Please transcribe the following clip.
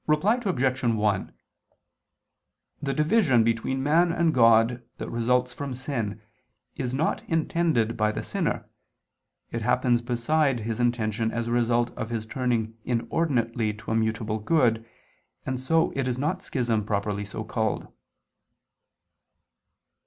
Reply Obj. 1: The division between man and God that results from sin is not intended by the sinner: it happens beside his intention as a result of his turning inordinately to a mutable good, and so it is not schism properly so called.